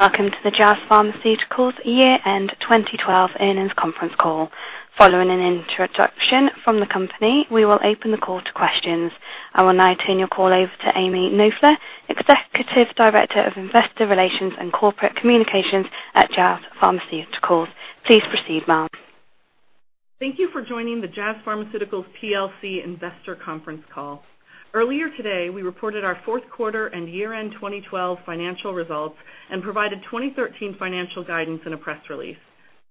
Welcome to the Jazz Pharmaceuticals Year End 2012 Earnings Conference Call. Following an introduction from the company, we will open the call to questions. I will now turn your call over to Ami Knoefler, Executive Director of Investor Relations and Corporate Communications at Jazz Pharmaceuticals. Please proceed, ma'am. Thank you for joining the Jazz Pharmaceuticals PLC Investor Conference Call. Earlier today, we reported our fourth quarter and year-end 2012 financial results and provided 2013 financial guidance in a press release.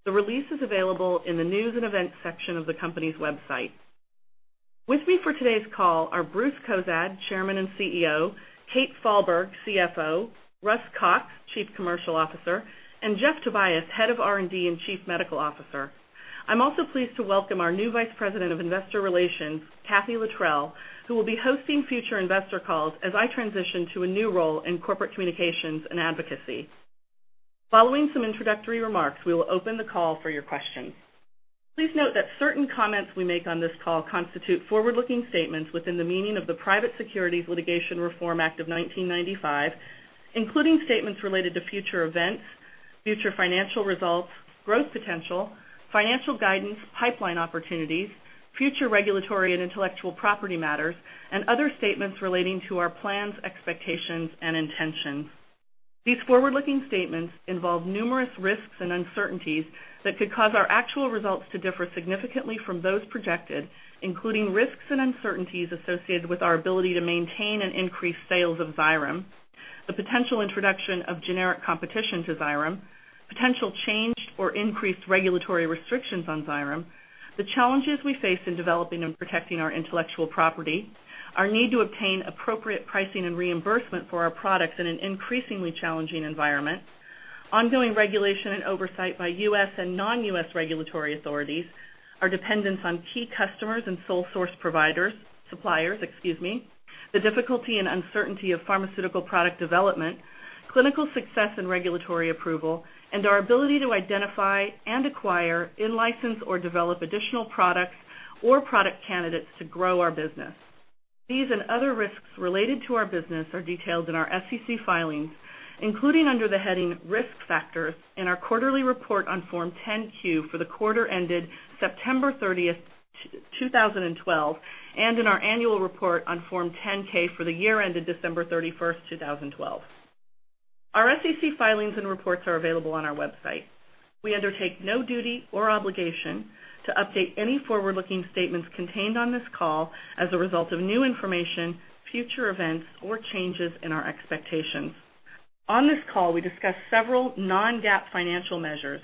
The release is available in the News and Events section of the company's website. With me for today's call are Bruce Cozadd, Chairman and CEO, Kate Falberg, CFO, Russ Cox, Chief Commercial Officer, and Jeff Tobias, Head of R&D and Chief Medical Officer. I'm also pleased to welcome our new Vice President of Investor Relations, Kathy Littrell, who will be hosting future investor calls as I transition to a new role in corporate communications and advocacy. Following some introductory remarks, we will open the call for your questions. Please note that certain comments we make on this call constitute forward-looking statements within the meaning of the Private Securities Litigation Reform Act of 1995, including statements related to future events, future financial results, growth potential, financial guidance, pipeline opportunities, future regulatory and intellectual property matters, and other statements relating to our plans, expectations, and intentions. These forward-looking statements involve numerous risks and uncertainties that could cause our actual results to differ significantly from those projected, including risks and uncertainties associated with our ability to maintain and increase sales of Xyrem, the potential introduction of generic competition to Xyrem, potential changed or increased regulatory restrictions on Xyrem, the challenges we face in developing and protecting our intellectual property, our need to obtain appropriate pricing and reimbursement for our products in an increasingly challenging environment, ongoing regulation and oversight by U.S. and non-U.S. regulatory authorities, our dependence on key customers and sole source suppliers, the difficulty and uncertainty of pharmaceutical product development, clinical success and regulatory approval, and our ability to identify and acquire, in-license or develop additional products or product candidates to grow our business. These and other risks related to our business are detailed in our SEC filings, including under the heading Risk Factors in our quarterly report on Form 10-Q for the quarter ended September 30th, 2012, and in our annual report on Form 10-K for the year ended December 31st, 2012. Our SEC filings and reports are available on our website. We undertake no duty or obligation to update any forward-looking statements contained on this call as a result of new information, future events, or changes in our expectations. On this call, we discuss several non-GAAP financial measures,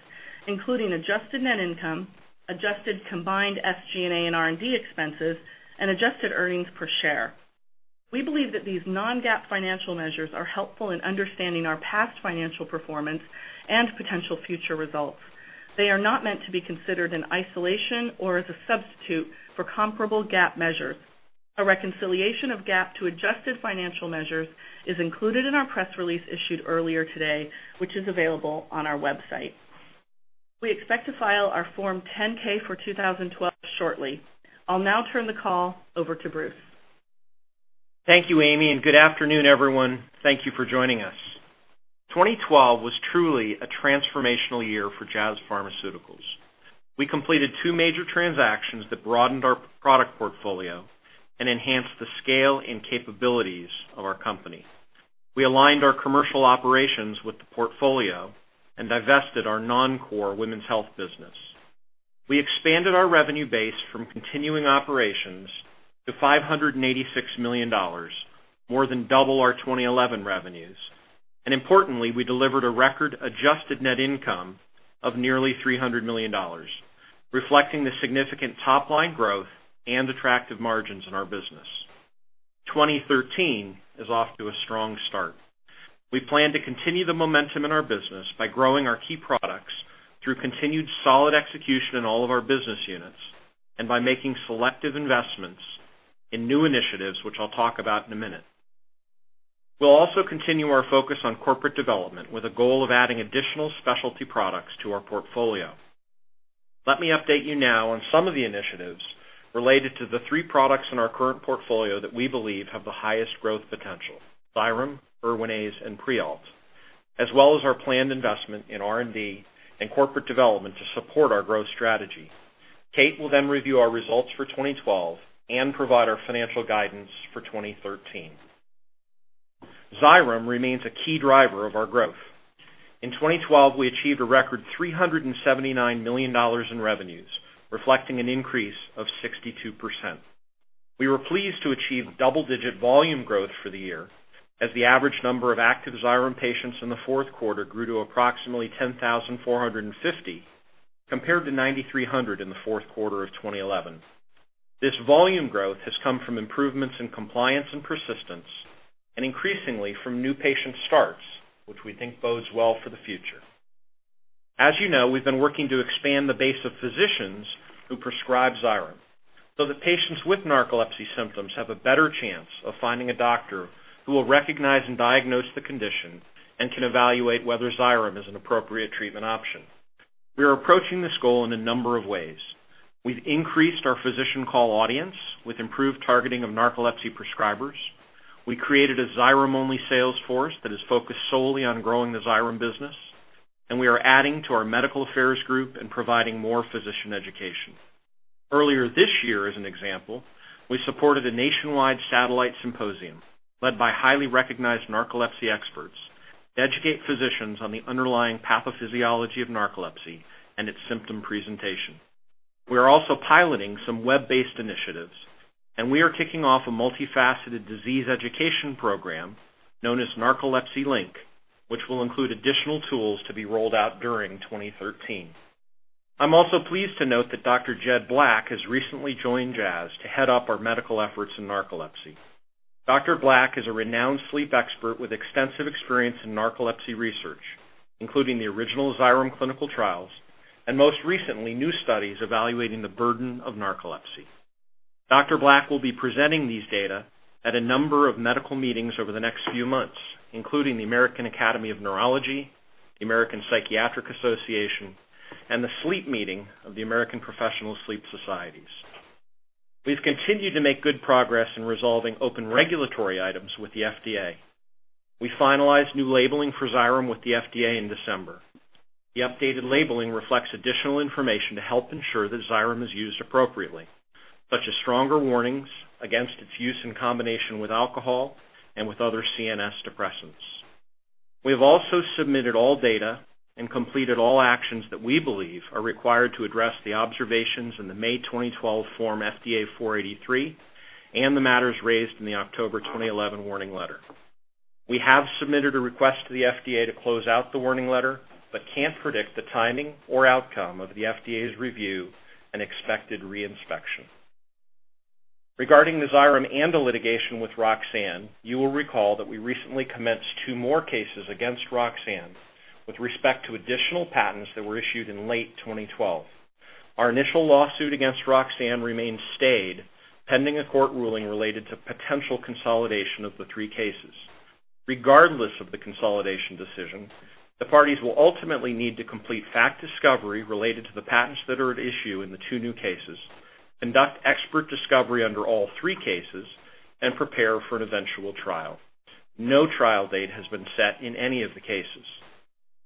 including adjusted net income, adjusted combined SG&A and R&D expenses, and adjusted earnings per share. We believe that these non-GAAP financial measures are helpful in understanding our past financial performance and potential future results. They are not meant to be considered in isolation or as a substitute for comparable GAAP measures. A reconciliation of GAAP to adjusted financial measures is included in our press release issued earlier today, which is available on our website. We expect to file our Form 10-K for 2012 shortly. I'll now turn the call over to Bruce. Thank you, Ami, and good afternoon, everyone. Thank you for joining us. 2012 was truly a transformational year for Jazz Pharmaceuticals. We completed two major transactions that broadened our product portfolio and enhanced the scale and capabilities of our company. We aligned our commercial operations with the portfolio and divested our non-core women's health business. We expanded our revenue base from continuing operations to $586 million, more than double our 2011 revenues. Importantly, we delivered a record adjusted net income of nearly $300 million, reflecting the significant top-line growth and attractive margins in our business. 2013 is off to a strong start. We plan to continue the momentum in our business by growing our key products through continued solid execution in all of our business units and by making selective investments in new initiatives, which I'll talk about in a minute. We'll also continue our focus on corporate development with a goal of adding additional specialty products to our portfolio. Let me update you now on some of the initiatives related to the three products in our current portfolio that we believe have the highest growth potential, Xyrem, Erwinaze, and Prialt, as well as our planned investment in R&D and corporate development to support our growth strategy. Kate will then review our results for 2012 and provide our financial guidance for 2013. Xyrem remains a key driver of our growth. In 2012, we achieved a record $379 million in revenues, reflecting an increase of 62%. We were pleased to achieve double-digit volume growth for the year as the average number of active Xyrem patients in the fourth quarter grew to approximately 10,450, compared to 9,300 in the fourth quarter of 2011. This volume growth has come from improvements in compliance and persistence and increasingly from new patient starts, which we think bodes well for the future. As you know, we've been working to expand the base of physicians who prescribe Xyrem so that patients with narcolepsy symptoms have a better chance of finding a doctor who will recognize and diagnose the condition and can evaluate whether Xyrem is an appropriate treatment option. We are approaching this goal in a number of ways. We've increased our physician call audience with improved targeting of narcolepsy prescribers. We created a Xyrem-only sales force that is focused solely on growing the Xyrem business, and we are adding to our medical affairs group and providing more physician education. Earlier this year, as an example, we supported a nationwide satellite symposium led by highly recognized narcolepsy experts to educate physicians on the underlying pathophysiology of narcolepsy and its symptom presentation. We are also piloting some web-based initiatives, and we are kicking off a multifaceted disease education program known as Narcolepsy Link, which will include additional tools to be rolled out during 2013. I'm also pleased to note that Dr. Jed Black has recently joined Jazz to head up our medical efforts in narcolepsy. Dr. Black is a renowned sleep expert with extensive experience in narcolepsy research, including the original Xyrem clinical trials and most recently, new studies evaluating the burden of narcolepsy. Dr. Black will be presenting these data at a number of medical meetings over the next few months, including the American Academy of Neurology, the American Psychiatric Association, and the Sleep Meeting of the American Professional Sleep Societies. We've continued to make good progress in resolving open regulatory items with the FDA. We finalized new labeling for Xyrem with the FDA in December. The updated labeling reflects additional information to help ensure that Xyrem is used appropriately, such as stronger warnings against its use in combination with alcohol and with other CNS depressants. We have also submitted all data and completed all actions that we believe are required to address the observations in the May 2012 FDA Form 483 and the matters raised in the October 2011 warning letter. We have submitted a request to the FDA to close out the warning letter but can't predict the timing or outcome of the FDA's review and expected re-inspection. Regarding the Xyrem and the litigation with Roxane, you will recall that we recently commenced two more cases against Roxane with respect to additional patents that were issued in late 2012. Our initial lawsuit against Roxane remains stayed pending a court ruling related to potential consolidation of the three cases. Regardless of the consolidation decision, the parties will ultimately need to complete fact discovery related to the patents that are at issue in the two new cases, conduct expert discovery under all three cases, and prepare for an eventual trial. No trial date has been set in any of the cases.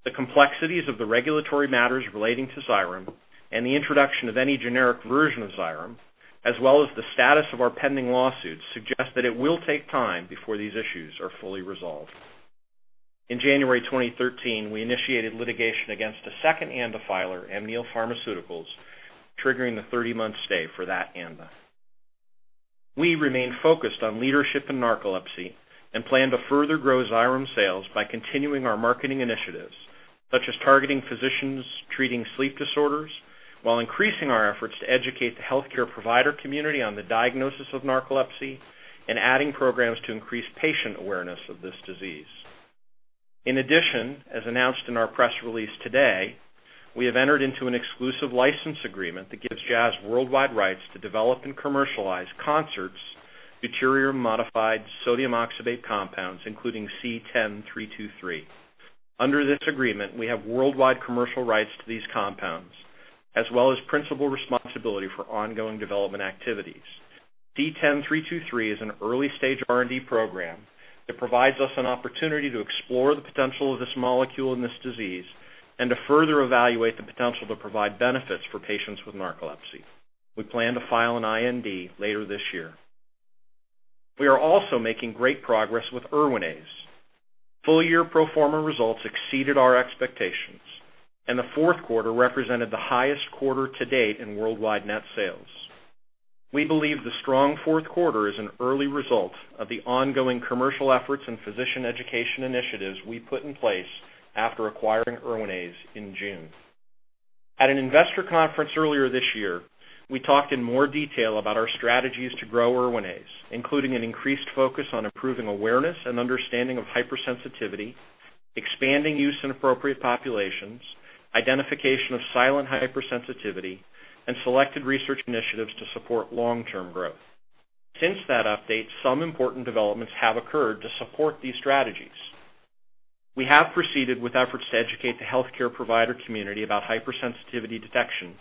The complexities of the regulatory matters relating to Xyrem and the introduction of any generic version of Xyrem, as well as the status of our pending lawsuits, suggest that it will take time before these issues are fully resolved. In January 2013, we initiated litigation against a second ANDA filer, Amneal Pharmaceuticals, triggering the 30-month stay for that ANDA. We remain focused on leadership in narcolepsy and plan to further grow Xyrem sales by continuing our marketing initiatives, such as targeting physicians treating sleep disorders while increasing our efforts to educate the healthcare provider community on the diagnosis of narcolepsy and adding programs to increase patient awareness of this disease. In addition, as announced in our press release today, we have entered into an exclusive license agreement that gives Jazz worldwide rights to develop and commercialize Concert Pharmaceuticals' deuterium-modified sodium oxybate compounds, including C-10323. Under this agreement, we have worldwide commercial rights to these compounds, as well as principal responsibility for ongoing development activities. C-10323 is an early-stage R&D program that provides us an opportunity to explore the potential of this molecule in this disease and to further evaluate the potential to provide benefits for patients with narcolepsy. We plan to file an IND later this year. We are also making great progress with Erwinaze. Full year pro forma results exceeded our expectations, and the fourth quarter represented the highest quarter to date in worldwide net sales. We believe the strong fourth quarter is an early result of the ongoing commercial efforts and physician education initiatives we put in place after acquiring Erwinaze in June. At an investor conference earlier this year, we talked in more detail about our strategies to grow Erwinaze, including an increased focus on improving awareness and understanding of hypersensitivity, expanding use in appropriate populations, identification of silent hypersensitivity, and selected research initiatives to support long-term growth. Since that update, some important developments have occurred to support these strategies. We have proceeded with efforts to educate the healthcare provider community about hypersensitivity detection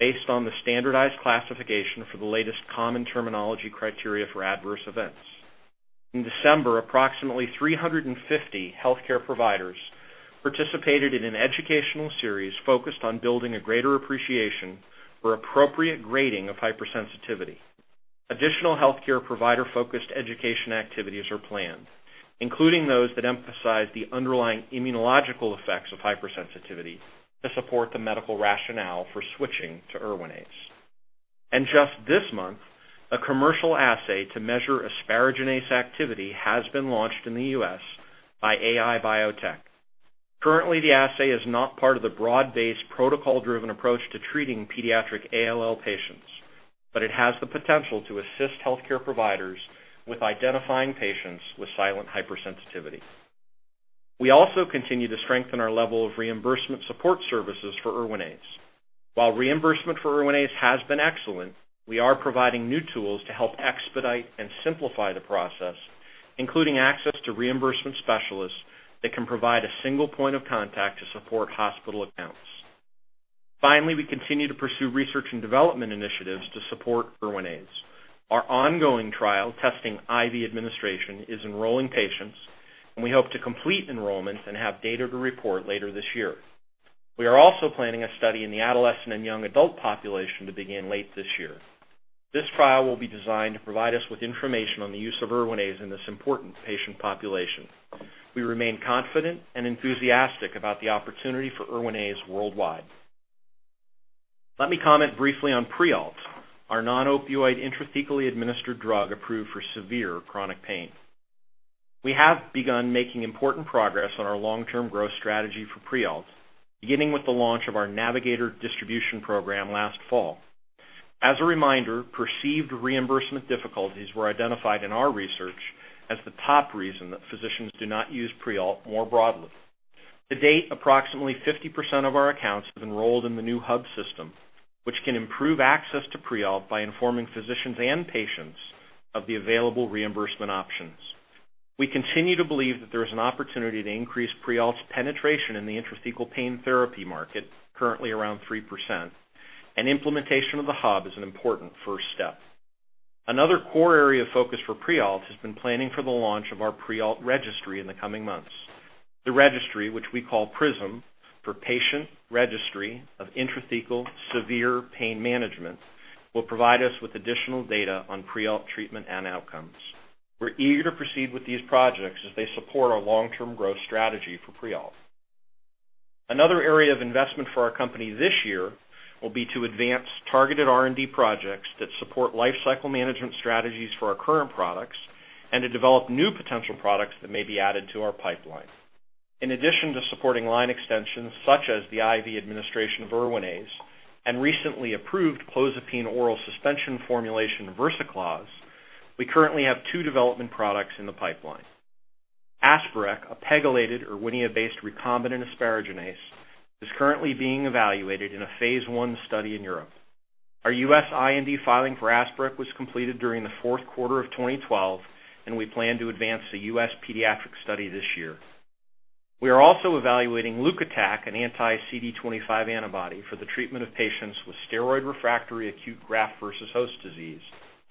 based on the standardized classification for the latest common terminology criteria for adverse events. In December, approximately 350 healthcare providers participated in an educational series focused on building a greater appreciation for appropriate grading of hypersensitivity. Additional healthcare provider-focused education activities are planned, including those that emphasize the underlying immunological effects of hypersensitivity to support the medical rationale for switching to Erwinaze. Just this month, a commercial assay to measure asparaginase activity has been launched in the U.S. by AI Biotech. Currently, the assay is not part of the broad-based protocol-driven approach to treating pediatric ALL patients, but it has the potential to assist healthcare providers with identifying patients with silent hypersensitivity. We also continue to strengthen our level of reimbursement support services for Erwinaze. While reimbursement for Erwinaze has been excellent, we are providing new tools to help expedite and simplify the process, including access to reimbursement specialists that can provide a single point of contact to support hospital accounts. Finally, we continue to pursue research and development initiatives to support Erwinaze. Our ongoing trial testing IV administration is enrolling patients, and we hope to complete enrollment and have data to report later this year. We are also planning a study in the adolescent and young adult population to begin late this year. This trial will be designed to provide us with information on the use of Erwinaze in this important patient population. We remain confident and enthusiastic about the opportunity for Erwinaze worldwide. Let me comment briefly on Prialt, our non-opioid intrathecally administered drug approved for severe chronic pain. We have begun making important progress on our long-term growth strategy for Prialt, beginning with the launch of our Navigator distribution program last fall. As a reminder, perceived reimbursement difficulties were identified in our research as the top reason that physicians do not use Prialt more broadly. To date, approximately 50% of our accounts have enrolled in the new hub system, which can improve access to Prialt by informing physicians and patients of the available reimbursement options. We continue to believe that there is an opportunity to increase Prialt's penetration in the intrathecal pain therapy market, currently around 3%, and implementation of the hub is an important first step. Another core area of focus for Prialt has been planning for the launch of our Prialt registry in the coming months. The registry, which we call PRIZM, for Patient Registry of Intrathecal Ziconotide Management, will provide us with additional data on Prialt treatment and outcomes. We're eager to proceed with these projects as they support our long-term growth strategy for Prialt. Another area of investment for our company this year will be to advance targeted R&D projects that support life cycle management strategies for our current products and to develop new potential products that may be added to our pipeline. In addition to supporting line extensions such as the IV administration of Erwinaze and recently approved clozapine oral suspension formulation Versacloz, we currently have two development products in the pipeline. Asparec, a pegylated Erwinia-based recombinant asparaginase, is currently being evaluated in a phase I study in Europe. Our U.S. IND filing for Asparec was completed during the fourth quarter of 2012, and we plan to advance the U.S. pediatric study this year. We are also evaluating Leukotac, an anti-CD25 antibody, for the treatment of patients with steroid-refractory acute graft versus host disease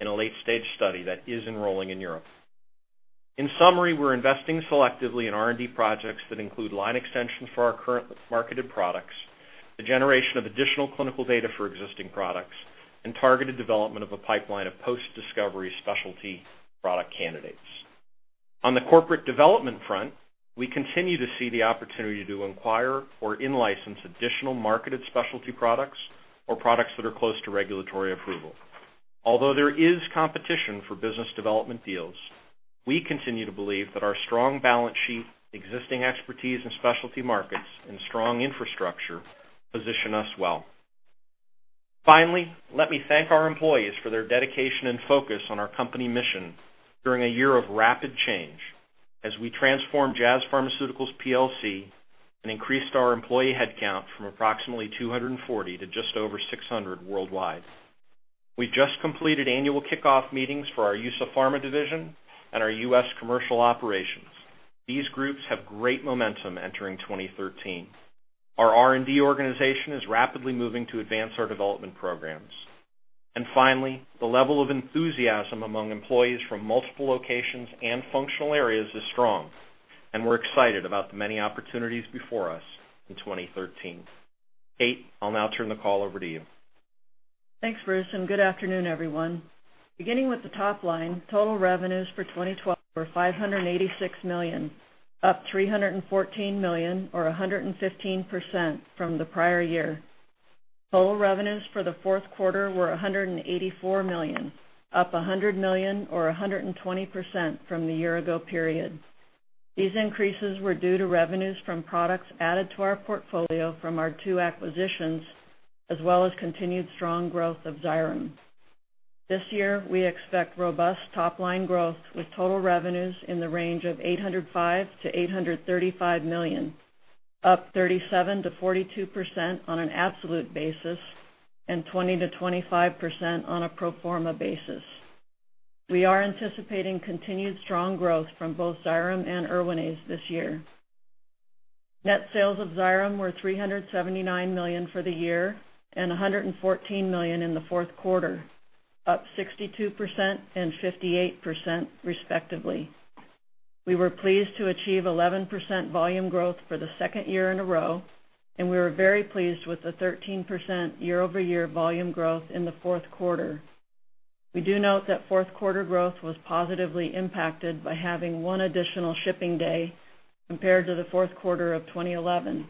in a late-stage study that is enrolling in Europe. In summary, we're investing selectively in R&D projects that include line extension for our current marketed products, the generation of additional clinical data for existing products, and targeted development of a pipeline of post-discovery specialty product candidates. On the corporate development front, we continue to see the opportunity to acquire or in-license additional marketed specialty products or products that are close to regulatory approval. Although there is competition for business development deals, we continue to believe that our strong balance sheet, existing expertise in specialty markets, and strong infrastructure position us well. Finally, let me thank our employees for their dedication and focus on our company mission during a year of rapid change as we transformed Jazz Pharmaceuticals plc and increased our employee headcount from approximately 240 to just over 600 worldwide. We just completed annual kickoff meetings for our EUSA Pharma division and our U.S. commercial operations. These groups have great momentum entering 2013. Our R&D organization is rapidly moving to advance our development programs. Finally, the level of enthusiasm among employees from multiple locations and functional areas is strong, and we're excited about the many opportunities before us in 2013. Kate, I'll now turn the call over to you. Thanks, Bruce, and good afternoon, everyone. Beginning with the top line, total revenues for 2012 were $586 million, up $314 million or 115% from the prior year. Total revenues for the fourth quarter were $184 million, up $100 million or 120% from the year-ago period. These increases were due to revenues from products added to our portfolio from our two acquisitions, as well as continued strong growth of Xyrem. This year, we expect robust top-line growth with total revenues in the range of $805 million-$835 million, up 37%-42% on an absolute basis and 20%-25% on a pro forma basis. We are anticipating continued strong growth from both Xyrem and Erwinaze this year. Net sales of Xyrem were $379 million for the year and $114 million in the fourth quarter, up 62% and 58% respectively. We were pleased to achieve 11% volume growth for the second year in a row, and we were very pleased with the 13% year-over-year volume growth in the fourth quarter. We do note that fourth quarter growth was positively impacted by having one additional shipping day compared to the fourth quarter of 2011.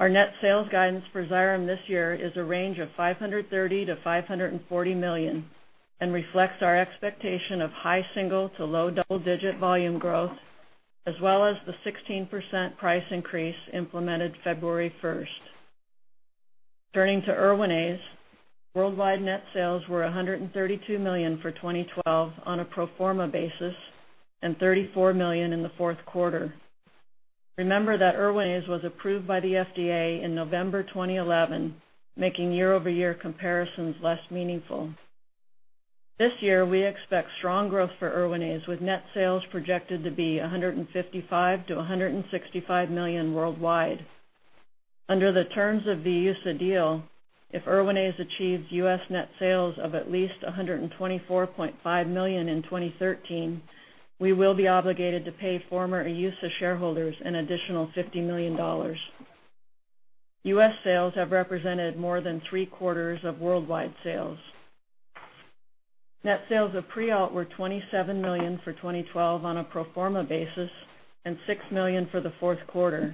Our net sales guidance for Xyrem this year is a range of $530 million-$540 million and reflects our expectation of high single to low double-digit volume growth as well as the 16% price increase implemented February 1st. Turning to Erwinaze. Worldwide net sales were $132 million for 2012 on a pro forma basis, and $34 million in the fourth quarter. Remember that Erwinaze was approved by the FDA in November 2011, making year-over-year comparisons less meaningful. This year, we expect strong growth for Erwinaze, with net sales projected to be $155 million-$165 million worldwide. Under the terms of the EUSA deal, if Erwinaze achieves U.S. net sales of at least $124.5 million in 2013, we will be obligated to pay former EUSA shareholders an additional $50 million. U.S. sales have represented more than three-quarters of worldwide sales. Net sales of Prialt were $27 million for 2012 on a pro forma basis and $6 million for the fourth quarter.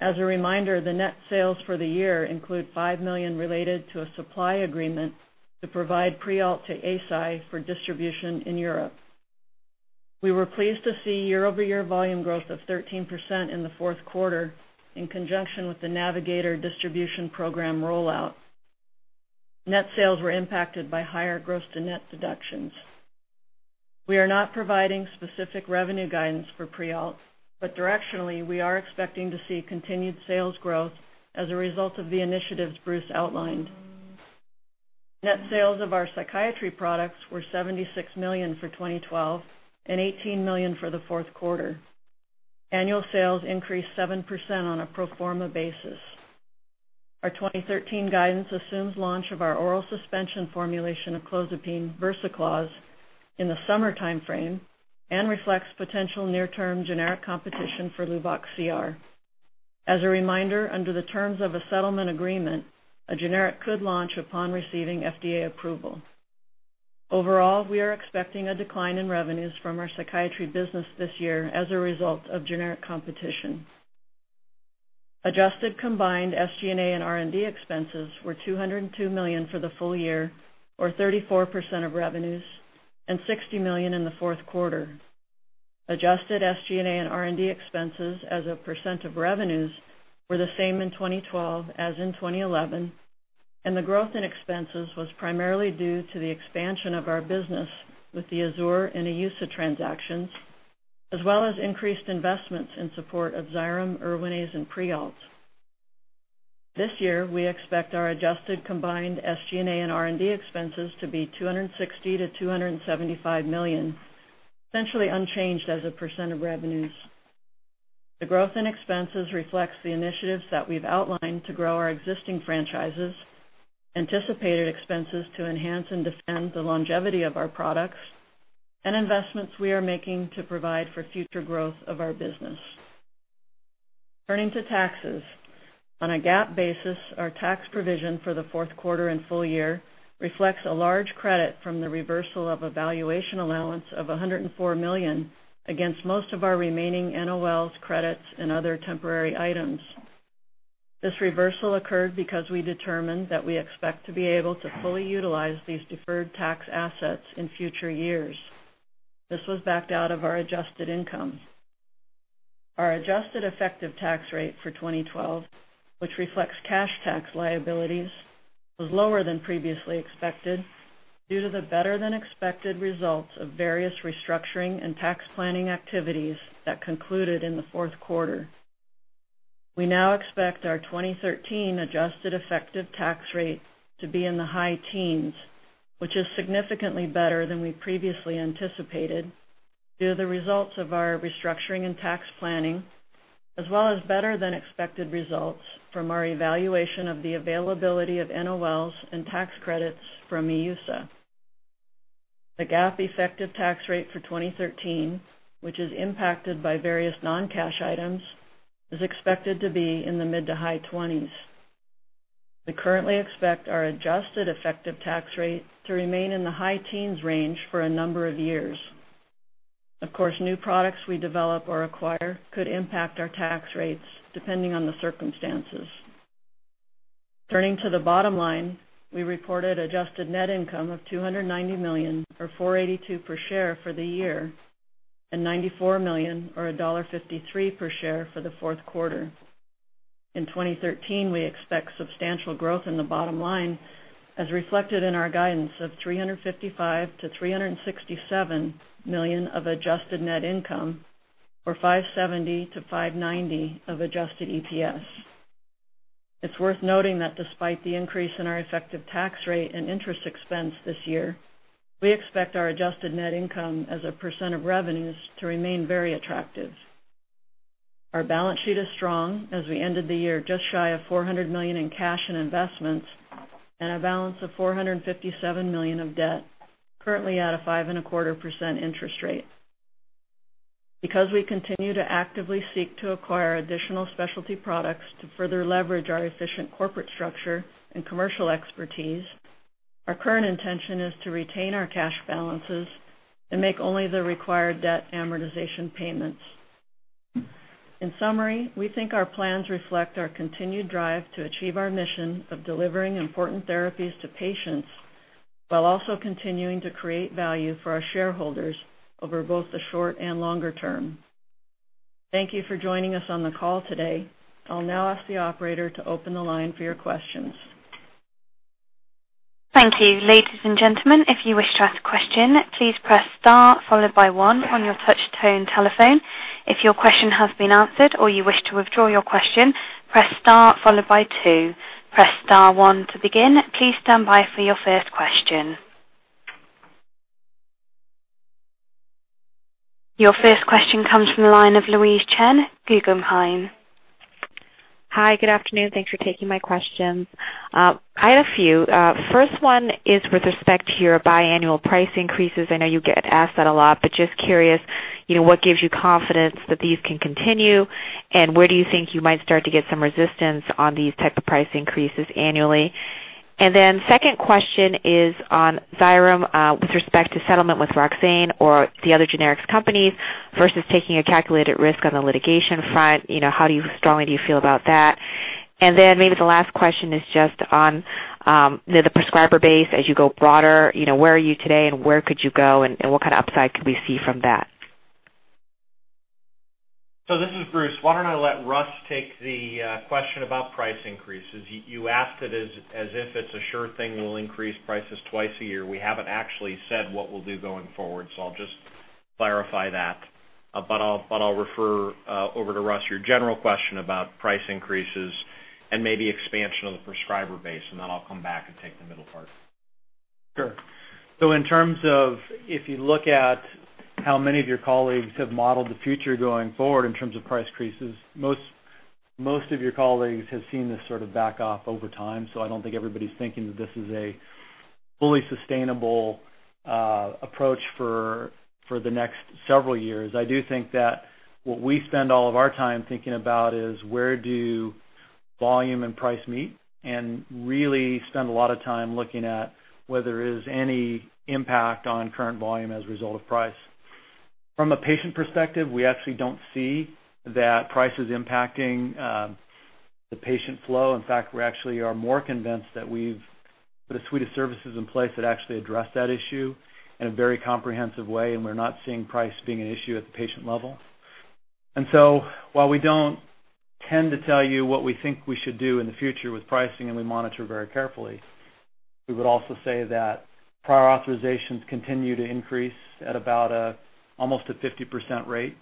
As a reminder, the net sales for the year include $5 million related to a supply agreement to provide Prialt to Eisai for distribution in Europe. We were pleased to see year-over-year volume growth of 13% in the fourth quarter in conjunction with the Navigator distribution program rollout. Net sales were impacted by higher gross to net deductions. We are not providing specific revenue guidance for Prialt, but directionally, we are expecting to see continued sales growth as a result of the initiatives Bruce outlined. Net sales of our psychiatry products were $76 million for 2012 and $18 million for the fourth quarter. Annual sales increased 7% on a pro forma basis. Our 2013 guidance assumes launch of our oral suspension formulation of clozapine, Versacloz, in the summer timeframe and reflects potential near-term generic competition for Luvox CR. As a reminder, under the terms of a settlement agreement, a generic could launch upon receiving FDA approval. Overall, we are expecting a decline in revenues from our psychiatry business this year as a result of generic competition. Adjusted combined SG&A and R&D expenses were $202 million for the full year or 34% of revenues and $60 million in the fourth quarter. Adjusted SG&A and R&D expenses as a percent of revenues were the same in 2012 as in 2011, and the growth in expenses was primarily due to the expansion of our business with the Azur and EUSA transactions, as well as increased investments in support of Xyrem, Erwinaze, and Prialt. This year, we expect our adjusted combined SG&A and R&D expenses to be $260 million-$275 million, essentially unchanged as a percent of revenues. The growth in expenses reflects the initiatives that we've outlined to grow our existing franchises, anticipated expenses to enhance and defend the longevity of our products, and investments we are making to provide for future growth of our business. Turning to taxes. On a GAAP basis, our tax provision for the fourth quarter and full year reflects a large credit from the reversal of a valuation allowance of $104 million against most of our remaining NOLs credits and other temporary items. This reversal occurred because we determined that we expect to be able to fully utilize these deferred tax assets in future years. This was backed out of our adjusted income. Our adjusted effective tax rate for 2012, which reflects cash tax liabilities, was lower than previously expected due to the better-than-expected results of various restructuring and tax planning activities that concluded in the fourth quarter. We now expect our 2013 adjusted effective tax rate to be in the high teens, which is significantly better than we previously anticipated due to the results of our restructuring and tax planning, as well as better-than-expected results from our evaluation of the availability of NOLs and tax credits from EUSA. The GAAP effective tax rate for 2013, which is impacted by various non-cash items, is expected to be in the mid to high twenties. We currently expect our adjusted effective tax rate to remain in the high teens range for a number of years. Of course, new products we develop or acquire could impact our tax rates depending on the circumstances. Turning to the bottom line, we reported adjusted net income of $290 million or $4.82 per share for the year and $94 million or $1.53 per share for the fourth quarter. In 2013, we expect substantial growth in the bottom line as reflected in our guidance of $355 million-$367 million of adjusted net income or $5.70-$5.90 of adjusted EPS. It's worth noting that despite the increase in our effective tax rate and interest expense this year, we expect our adjusted net income as a percent of revenues to remain very attractive. Our balance sheet is strong as we ended the year just shy of $400 million in cash and investments and a balance of $457 million of debt, currently at a 5.25% interest rate. Because we continue to actively seek to acquire additional specialty products to further leverage our efficient corporate structure and commercial expertise, our current intention is to retain our cash balances and make only the required debt amortization payments. In summary, we think our plans reflect our continued drive to achieve our mission of delivering important therapies to patients while also continuing to create value for our shareholders over both the short and longer term. Thank you for joining us on the call today. I'll now ask the operator to open the line for your questions. Thank you. Ladies and gentlemen, if you wish to ask a question, please press star followed by one on your touch-tone telephone. If your question has been answered or you wish to withdraw your question, press star followed by two. Press star one to begin. Please stand by for your first question. Your first question comes from the line of Louise Chen, Guggenheim. Hi, good afternoon. Thanks for taking my questions. I had a few. First one is with respect to your biannual price increases. I know you get asked that a lot, but just curious, you know, what gives you confidence that these can continue, and where do you think you might start to get some resistance on these types of price increases annually? Then second question is on Xyrem, with respect to settlement with Roxane or the other generic companies versus taking a calculated risk on the litigation front. You know, how strongly do you feel about that? Then maybe the last question is just on, you know, the prescriber base as you go broader, you know, where are you today and where could you go and what kind of upside could we see from that? This is Bruce. Why don't I let Russ take the question about price increases? You asked it as if it's a sure thing we'll increase prices twice a year. We haven't actually said what we'll do going forward, so I'll just clarify that. I'll refer over to Russ your general question about price increases and maybe expansion of the prescriber base, and then I'll come back and take the middle part. Sure. In terms of if you look at how many of your colleagues have modeled the future going forward in terms of price increases, most of your colleagues have seen this sort of back off over time. I don't think everybody's thinking that this is a fully sustainable approach for the next several years. I do think that what we spend all of our time thinking about is where do volume and price meet and really spend a lot of time looking at whether there's any impact on current volume as a result of price. From a patient perspective, we actually don't see that price is impacting the patient flow. In fact, we actually are more convinced that we've put a suite of services in place that actually address that issue in a very comprehensive way, and we're not seeing price being an issue at the patient level. While we don't tend to tell you what we think we should do in the future with pricing, and we monitor very carefully, we would also say that prior authorizations continue to increase at about almost a 50% rate.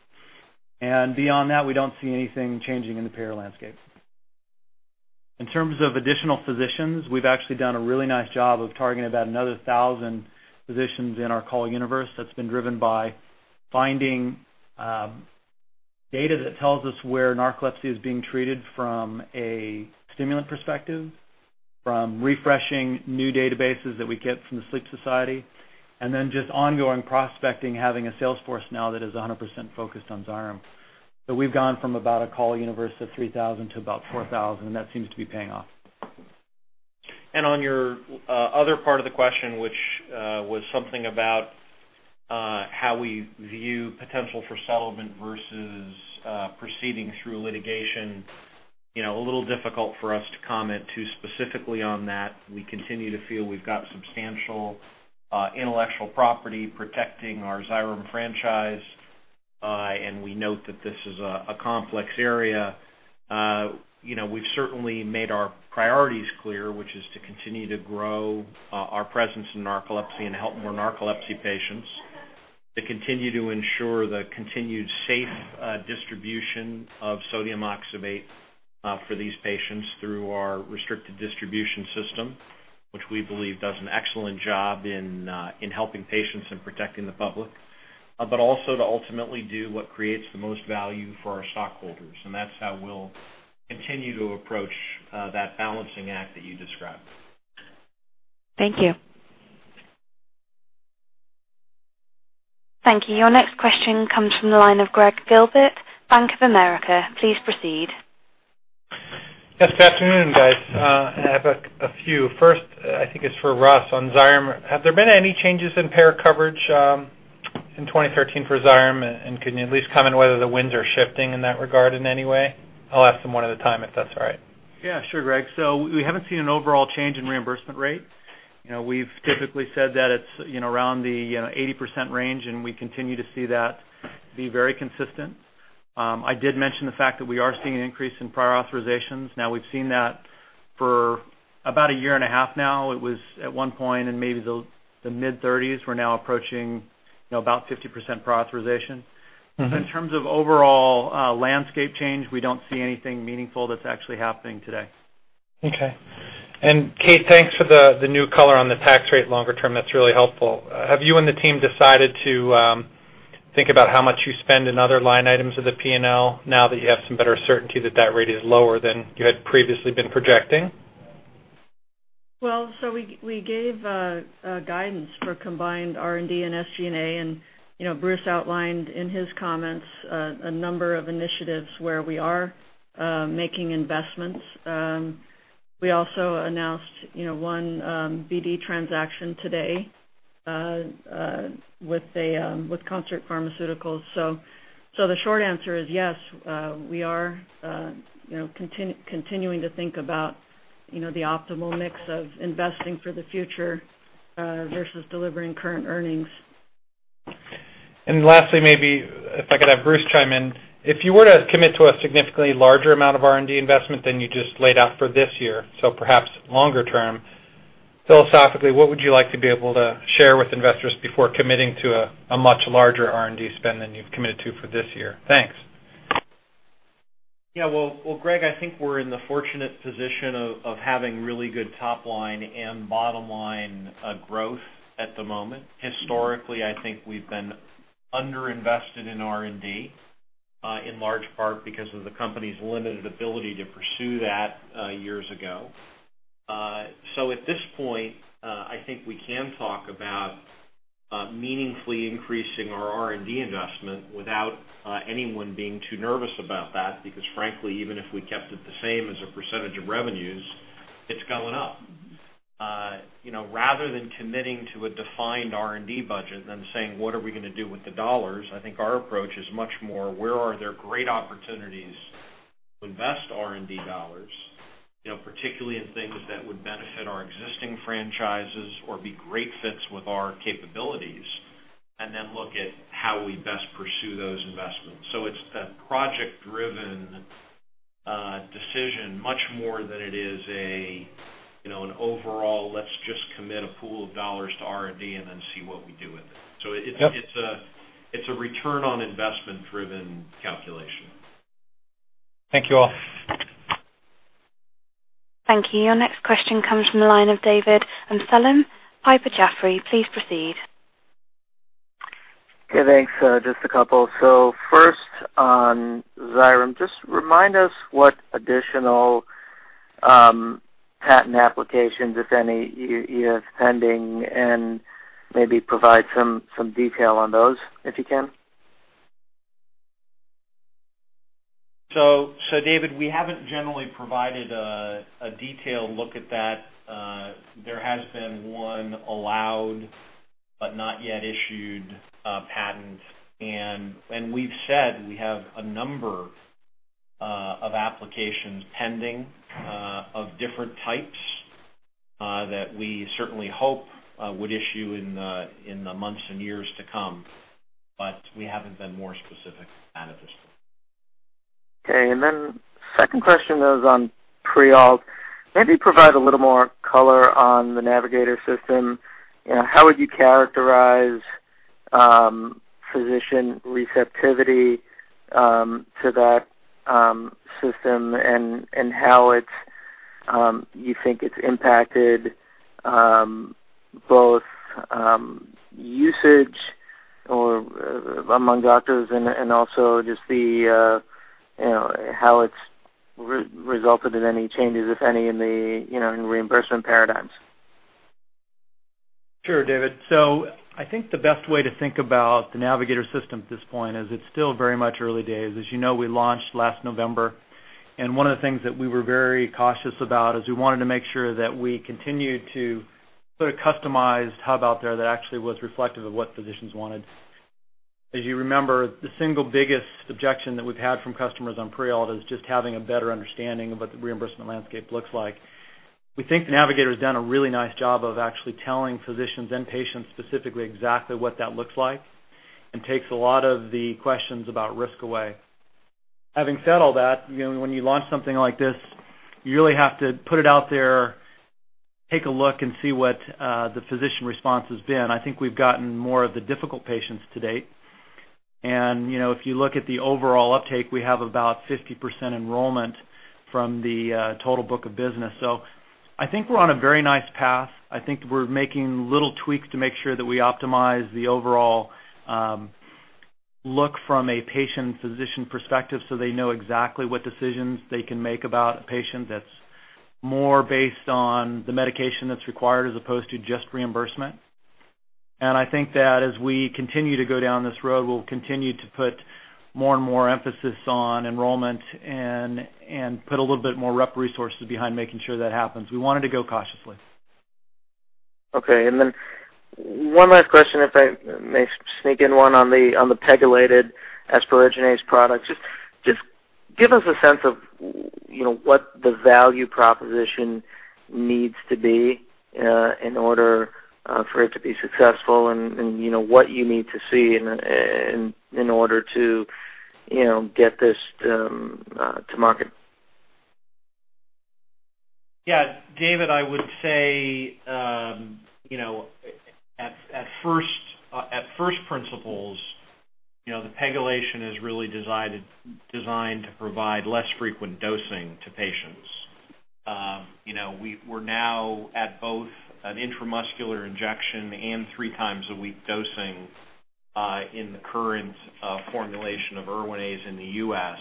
Beyond that, we don't see anything changing in the payer landscape. In terms of additional physicians, we've actually done a really nice job of targeting about another 1,000 physicians in our call universe that's been driven by finding data that tells us where narcolepsy is being treated from a stimulant perspective, from refreshing new databases that we get from the Sleep Society, and then just ongoing prospecting, having a sales force now that is 100% focused on Xyrem. We've gone from about a call universe of 3,000 to about 4,000, and that seems to be paying off. On your other part of the question, which was something about how we view potential for settlement versus proceeding through litigation. You know, a little difficult for us to comment too specifically on that. We continue to feel we've got substantial intellectual property protecting our Xyrem franchise, and we note that this is a complex area. You know, we've certainly made our priorities clear, which is to continue to grow our presence in narcolepsy and help more narcolepsy patients, to continue to ensure the continued safe distribution of sodium oxybate for these patients through our restricted distribution system, which we believe does an excellent job in helping patients and protecting the public, but also to ultimately do what creates the most value for our stockholders. That's how we'll continue to approach that balancing act that you described. Thank you. Thank you. Your next question comes from the line of Gregg Gilbert, Bank of America. Please proceed. Yes, good afternoon, guys. I have a few. First, I think it's for Russ on Xyrem. Have there been any changes in payer coverage in 2013 for Xyrem? Can you at least comment whether the winds are shifting in that regard in any way? I'll ask them one at a time if that's all right. Yeah, sure, Greg. We haven't seen an overall change in reimbursement rate. You know, we've typically said that it's, you know, around the, you know, 80% range, and we continue to see that be very consistent. I did mention the fact that we are seeing an increase in prior authorizations. Now we've seen that for about a year and a half now. It was at one point in maybe the mid-30s. We're now approaching, you know, about 50% prior authorization. But in terms of overall landscape change, we don't see anything meaningful that's actually happening today. Okay. Kate, thanks for the new color on the tax rate longer term. That's really helpful. Have you and the team decided to think about how much you spend in other line items of the P&L now that you have some better certainty that that rate is lower than you had previously been projecting? Well, we gave a guidance for combined R&D and SG&A, and you know, Bruce outlined in his comments a number of initiatives where we are making investments. We also announced, you know, one BD transaction today with Concert Pharmaceuticals. The short answer is yes, we are, you know, continuing to think about, you know, the optimal mix of investing for the future versus delivering current earnings. Lastly, maybe if I could have Bruce chime in, if you were to commit to a significantly larger amount of R&D investment than you just laid out for this year, so perhaps longer term, philosophically, what would you like to be able to share with investors before committing to a much larger R&D spend than you've committed to for this year? Thanks. Yeah, well, Gregg, I think we're in the fortunate position of having really good top line and bottom-line growth at the moment. Historically, I think we've been under-invested in R&D in large part because of the company's limited ability to pursue that years ago. At this point, I think we can talk about meaningfully increasing our R&D investment without anyone being too nervous about that because frankly, even if we kept it the same as a percentage of revenues, it's going up. You know, rather than committing to a defined R&D budget, than saying, "What are we gonna do with the dollars?" I think our approach is much more, where are there great opportunities to invest R&D dollars, you know, particularly in things that would benefit our existing franchises or be great fits with our capabilities and then look at how we best pursue those investments. It's a project-driven decision much more than it is a, you know, an overall, let's just commit a pool of dollars to R&D and then see what we do with it. Yep. It's a return on investment driven calculation. Thank you all. Thank you. Your next question comes from the line of David Amsellem, Piper Jaffray. Please proceed. Okay, thanks. Just a couple. First on Xyrem, just remind us what additional patent applications, if any, you have pending, and maybe provide some detail on those if you can. David, we haven't generally provided a detailed look at that. There has been one allowed but not yet issued patent. We've said we have a number of applications pending of different types that we certainly hope would issue in the months and years to come, but we haven't been more specific than that at this point. Second question was on Prialt. Maybe provide a little more color on the Navigator system. You know, how would you characterize physician receptivity to that system and how you think it's impacted both usage among doctors and also just the, you know, how it's resulted in any changes, if any, in the you know, in reimbursement paradigms? Sure, David. I think the best way to think about the Navigator system at this point is it's still very much early days. As you know, we launched last November, and one of the things that we were very cautious about is we wanted to make sure that we continued to put a customized hub out there that actually was reflective of what physicians wanted. As you remember, the single biggest objection that we've had from customers on Prialt is just having a better understanding of what the reimbursement landscape looks like. We think Navigator's done a really nice job of actually telling physicians and patients specifically exactly what that looks like and takes a lot of the questions about risk away. Having said all that, you know, when you launch something like this, you really have to put it out there, take a look, and see what the physician response has been. I think we've gotten more of the difficult patients to date. You know, if you look at the overall uptake, we have about 50% enrollment from the total book of business. I think we're on a very nice path. I think we're making little tweaks to make sure that we optimize the overall look from a patient-physician perspective, so they know exactly what decisions they can make about a patient that's more based on the medication that's required as opposed to just reimbursement. I think that as we continue to go down this road, we'll continue to put more and more emphasis on enrollment and put a little bit more rep resources behind making sure that happens. We wanted to go cautiously. Okay. One last question, if I may sneak in one on the pegylated asparaginase products. Just give us a sense of, you know, what the value proposition needs to be in order for it to be successful and, you know, what you need to see in order to, you know, get this to market. Yeah, David, I would say, you know, at first principles, you know, the pegylation is really designed to provide less frequent dosing to patients. You know, we're now at both an intramuscular injection and three times a week dosing in the current formulation of Erwinaze in the U.S.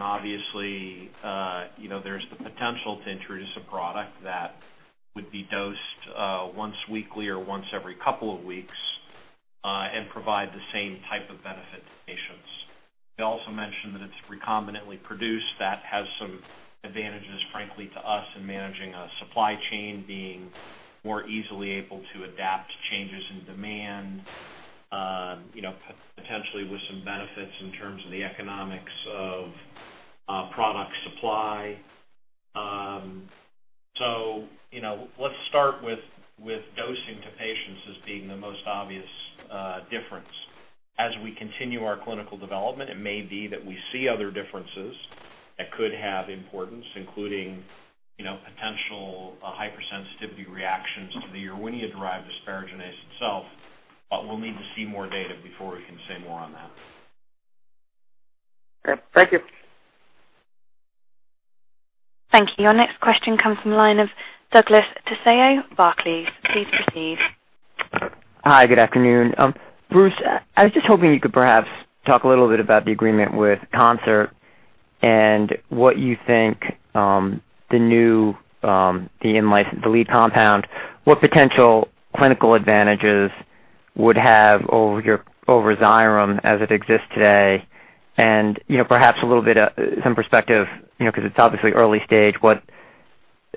Obviously, you know, there's the potential to introduce a product that would be dosed once weekly or once every couple of weeks and provide the same type of benefit to patients. I also mentioned that it's recombinantly produced. That has some advantages, frankly, to us in managing a supply chain, being more easily able to adapt to changes in demand, you know, potentially with some benefits in terms of the economics of product supply. You know, let's start with dosing to patients as being the most obvious difference. As we continue our clinical development, it may be that we see other differences that could have importance, including, you know, potential hypersensitivity reactions to the Erwinia-derived asparaginase itself, but we'll need to see more data before we can say more on that. Okay. Thank you. Thank you. Your next question comes from the line of Douglas Tsao, Barclays. Please proceed. Hi. Good afternoon. Bruce, I was just hoping you could perhaps talk a little bit about the agreement with Concert and what you think, the new, the in license, the lead compound, what potential clinical advantages would have over Xyrem as it exists today? You know, perhaps a little bit, some perspective, you know, 'cause it's obviously early stage, what,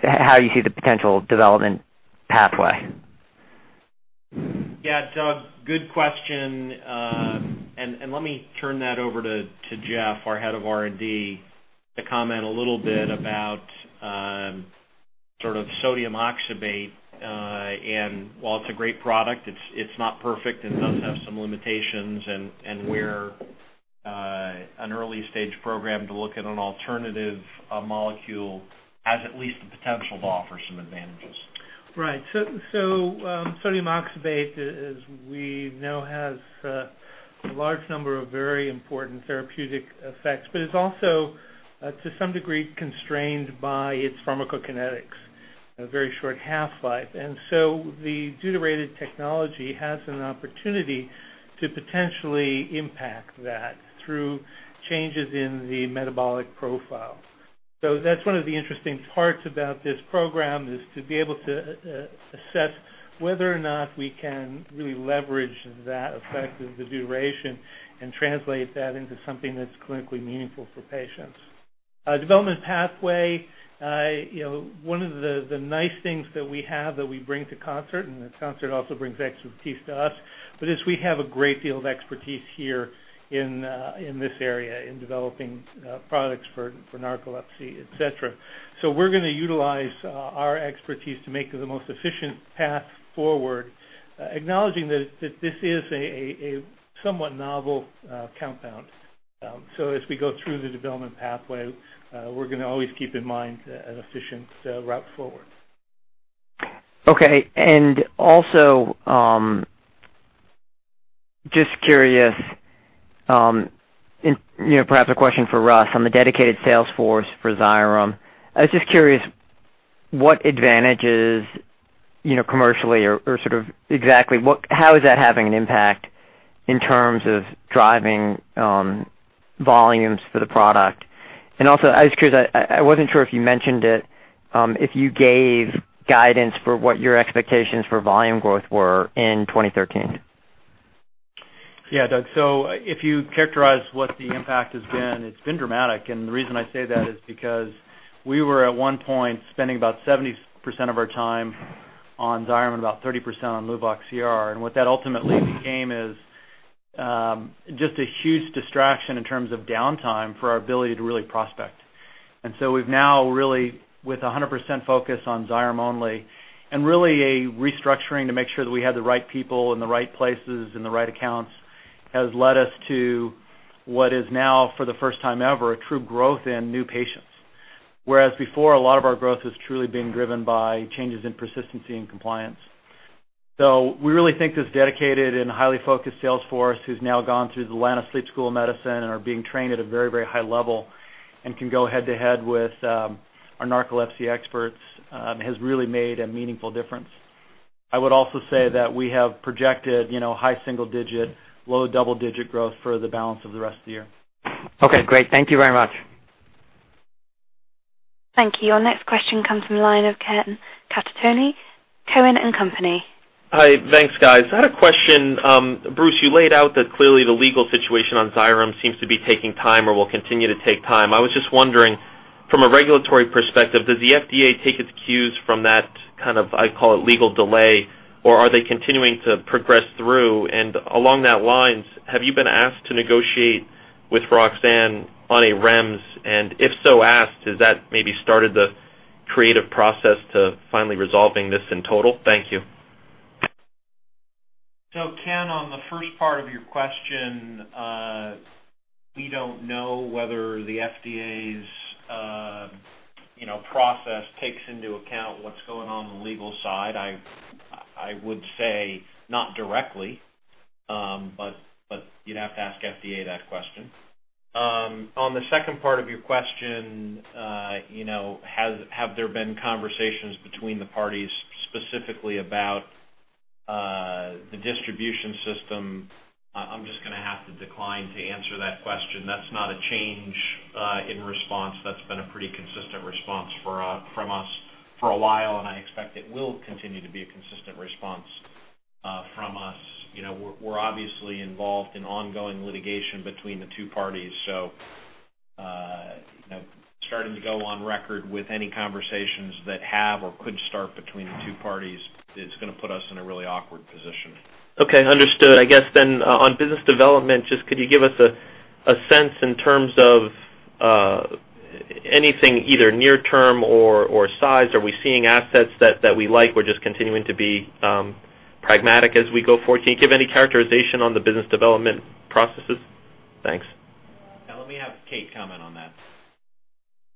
how you see the potential development pathway. Yeah. Doug, good question. Let me turn that over to Jeff, our Head of R&D, to comment a little bit about sort of sodium oxybate. While it's a great product, it's not perfect and does have some limitations. We're an early stage program to look at an alternative molecule has at least the potential to offer some advantages. Sodium oxybate, as we know, has a large number of very important therapeutic effects, but it's also to some degree constrained by its pharmacokinetics, a very short half-life. The deuterated technology has an opportunity to potentially impact that through changes in the metabolic profile. That's one of the interesting parts about this program, is to be able to assess whether or not we can really leverage that effect of the deuteration and translate that into something that's clinically meaningful for patients. Development pathway, you know, one of the nice things that we have that we bring to Concert, and then Concert also brings expertise to us, but is we have a great deal of expertise here in this area in developing products for narcolepsy, et cetera. We're gonna utilize our expertise to make the most efficient path forward, acknowledging that this is a somewhat novel compound. As we go through the development pathway, we're gonna always keep in mind an efficient route forward. Okay. Just curious, you know, perhaps a question for Russ on the dedicated sales force for Xyrem. I was just curious what advantages, you know, commercially or how is that having an impact in terms of driving volumes for the product? I was curious. I wasn't sure if you mentioned it, if you gave guidance for what your expectations for volume growth were in 2013. Yeah. Doug. If you characterize what the impact has been, it's been dramatic. The reason I say that is because we were at one point spending about 70% of our time on Xyrem and about 30% on Luvox CR. What that ultimately became is just a huge distraction in terms of downtime for our ability to really prospect. We've now really, with a 100% focus on Xyrem only, and really a restructuring to make sure that we had the right people in the right places and the right accounts, has led us to what is now, for the first time ever, a true growth in new patients. Whereas before, a lot of our growth was truly being driven by changes in persistency and compliance. We really think this dedicated and highly focused sales force, who's now gone through the [line of Sleep School MediCenter] and are being trained at a very, very high level and can go head-to-head with our narcolepsy experts, has really made a meaningful difference. I would also say that we have projected, you know, high single-digit, low double-digit growth for the balance of the rest of the year. Okay, great. Thank you very much. Thank you. Your next question comes from the line of Ken Cacciatore, Cowen and Company. Hi. Thanks, guys. I had a question. Bruce, you laid out that clearly the legal situation on Xyrem seems to be taking time or will continue to take time. I was just wondering, from a regulatory perspective, does the FDA take its cues from that kind of, I call it legal delay, or are they continuing to progress through? Along those lines, have you been asked to negotiate with Roxane on a REMS? If so asked, has that maybe started the creative process to finally resolving this in total? Thank you. Ken, on the first part of your question, we don't know whether the FDA's process takes into account what's going on the legal side. I would say not directly, but you'd have to ask FDA that question. On the second part of your question, you know, have there been conversations between the parties specifically about the distribution system? I'm just gonna have to decline to answer that question. That's not a change in response. That's been a pretty consistent response from us for a while, and I expect it will continue to be a consistent response from us. You know, we're obviously involved in ongoing litigation between the two parties, so starting to go on record with any conversations that have or could start between the two parties is gonna put us in a really awkward position. Okay, understood. I guess then on business development, just could you give us a sense in terms of anything either near term or size? Are we seeing assets that we like, we're just continuing to be pragmatic as we go forward? Can you give any characterization on the business development processes? Thanks. Yeah. Let me have Kate comment on that.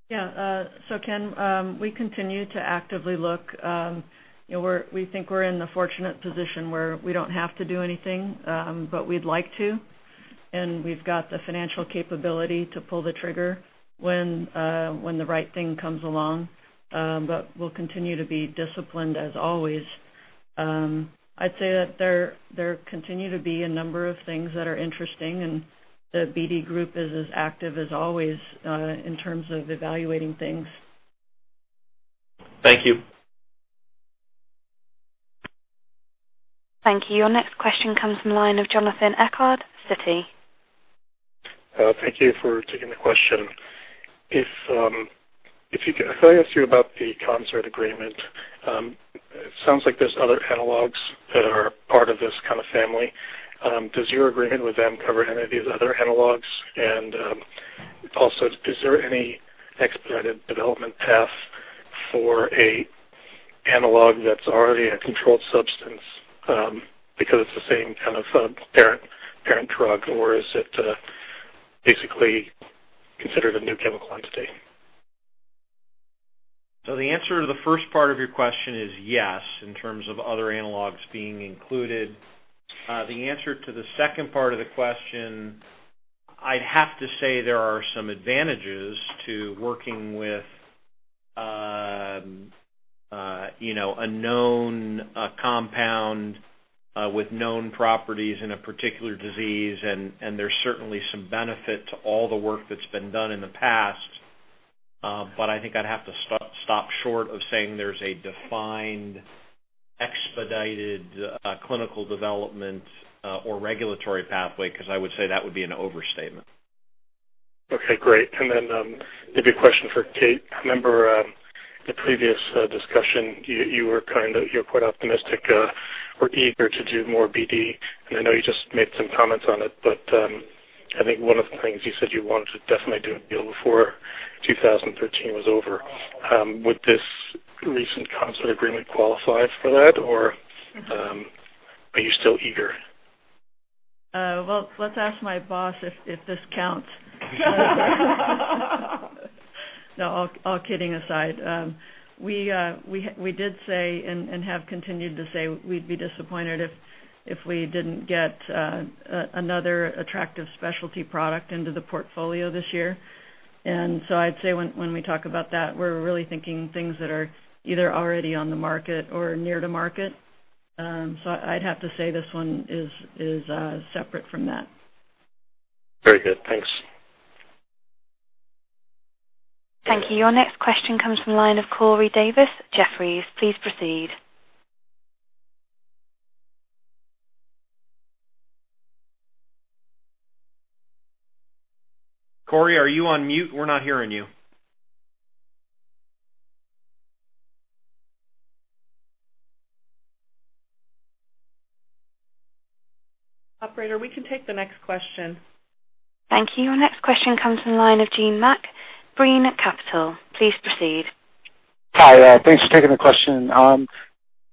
Yeah. Ken, we continue to actively look. You know, we think we're in the fortunate position where we don't have to do anything, but we'd like to, and we've got the financial capability to pull the trigger when the right thing comes along. We'll continue to be disciplined as always. I'd say that there continue to be a number of things that are interesting, and the BD group is as active as always in terms of evaluating things. Thank you. Thank you. Your next question comes from the line of Jonathan Eckard, Citi. Thank you for taking the question. If I ask you about the Concert agreement, it sounds like there's other analogs that are part of this kind of family. Does your agreement with them cover any of these other analogs? Also, is there any expedited development path for a analog that's already a controlled substance, because it's the same kind of parent drug, or is it basically considered a new chemical entity? The answer to the first part of your question is yes, in terms of other analogs being included. The answer to the second part of the question, I'd have to say there are some advantages to working with, you know, a known compound with known properties in a particular disease. And there's certainly some benefit to all the work that's been done in the past. But I think I'd have to stop short of saying there's a defined, expedited clinical development or regulatory pathway, 'cause I would say that would be an overstatement. Okay, great. Maybe a question for Kate. I remember the previous discussion, you were quite optimistic or eager to do more BD, and I know you just made some comments on it. I think one of the things you said you wanted to definitely do a deal before 2013 was over. Would this recent Concert agreement qualify for that or are you still eager? Well, let's ask my boss if this counts. No, all kidding aside, we did say and have continued to say we'd be disappointed if we didn't get another attractive specialty product into the portfolio this year. I'd say when we talk about that, we're really thinking things that are either already on the market or near to market. I'd have to say this one is separate from that. Very good. Thanks. Thank you. Your next question comes from the line of Corey Davis, Jefferies. Please proceed. Corey, are you on mute? We're not hearing you. Operator, we can take the next question. Thank you. Your next question comes from the line of Gene Mack, Brean Capital. Please proceed. Hi, thanks for taking the question.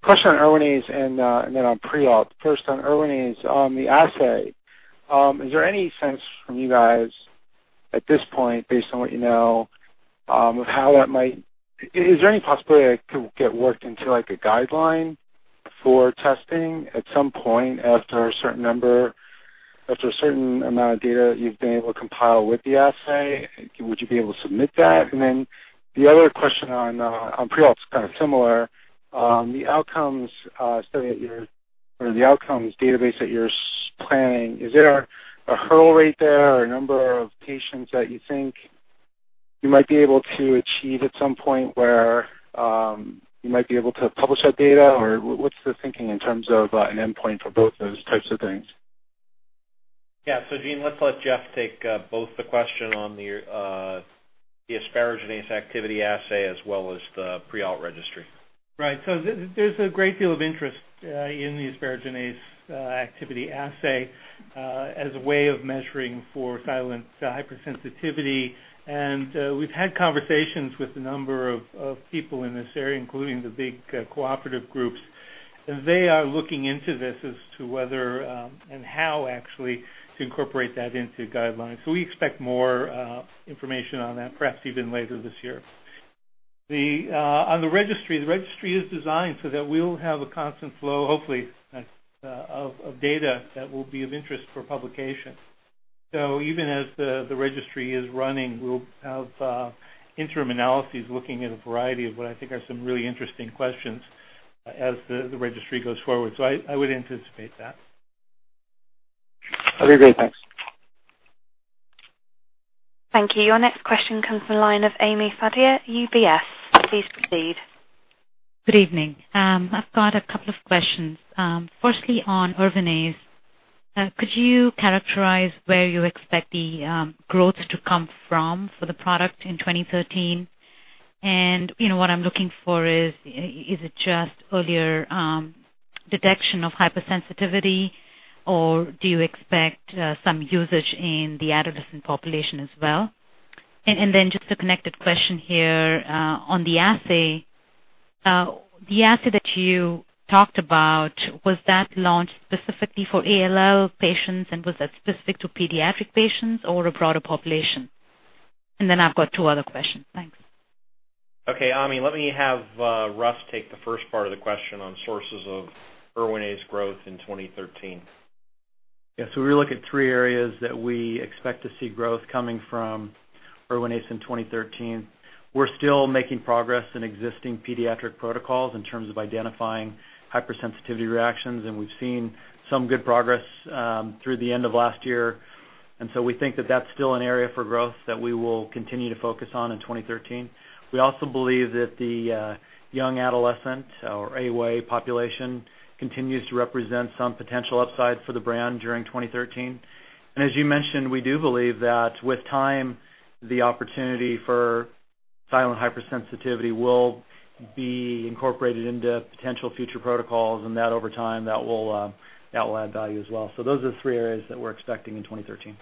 Question on Erwinaze and then on Prialt. First, on Erwinaze, the assay, is there any sense from you guys at this point, based on what you know, of how that might is there any possibility it could get worked into, like, a guideline for testing at some point after a certain number, after a certain amount of data you've been able to compile with the assay? Would you be able to submit that? The other question on Prialt is kind of similar. The outcomes database that you're planning, is there a hurdle rate there or a number of patients that you think you might be able to achieve at some point where you might be able to publish that data? What's the thinking in terms of an endpoint for both those types of things? Yeah. Gene, let's let Jeff take both the question on the asparaginase activity assay as well as the Prialt registry. Right. There's a great deal of interest in the asparaginase activity assay as a way of measuring for silent hypersensitivity. We've had conversations with a number of people in this area, including the big cooperative groups. They are looking into this as to whether and how actually to incorporate that into guidelines. We expect more information on that, perhaps even later this year. On the registry, the registry is designed so that we'll have a constant flow, hopefully, of data that will be of interest for publication. Even as the registry is running, we'll have interim analyses looking at a variety of what I think are some really interesting questions as the registry goes forward. I would anticipate that. Okay, great. Thanks. Thank you. Your next question comes from the line of Ami Fadia, UBS. Please proceed. Good evening. I've got a couple of questions. Firstly, on Erwinaze. Could you characterize where you expect the growth to come from for the product in 2013? And, you know, what I'm looking for is it just earlier detection of hypersensitivity, or do you expect some usage in the adolescent population as well? And then just a connected question here, on the assay. The assay that you talked about, was that launched specifically for ALL patients, and was that specific to pediatric patients or a broader population? And then I've got two other questions. Thanks. Okay, Ami, let me have Russ take the first part of the question on sources of Erwinaze growth in 2013. Yes, we really look at three areas that we expect to see growth coming from Erwinaze in 2013. We're still making progress in existing pediatric protocols in terms of identifying hypersensitivity reactions, and we've seen some good progress through the end of last year. We think that that's still an area for growth that we will continue to focus on in 2013. We also believe that the young adolescent or AYA population continues to represent some potential upside for the brand during 2013. As you mentioned, we do believe that with time, the opportunity for silent hypersensitivity will be incorporated into potential future protocols, and that over time, that will add value as well. Those are the three areas that we're expecting in 2013.